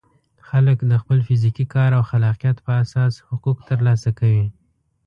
خلک د خپل فزیکي کار او خلاقیت په اساس حقوق ترلاسه کوي.